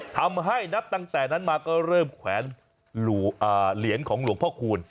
นับตั้งแต่นั้นมาก็เริ่มแขวนเหรียญของหลวงพ่อคูณ